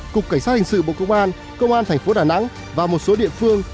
cục cảnh sát hình sự bộ công an công an tp đà nẵng và một số địa phương